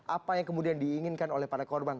apa yang kemudian diinginkan oleh para korban